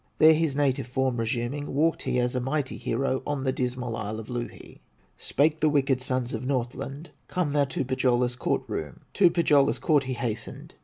There his native form resuming, Walked he as a mighty hero, On the dismal isle of Louhi. Spake the wicked sons of Northland: "Come thou to Pohyola's court room." To Pohyola's court he hastened.